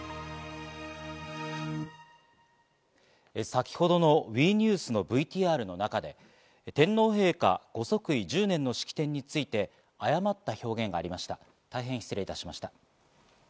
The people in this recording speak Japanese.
先ほどのＷＥニュースのＶＴＲの中で、天皇陛下御即位十年の式典について、誤った表現がありました。